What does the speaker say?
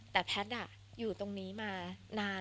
แต่แพทย์อยู่ตรงนี้มานาน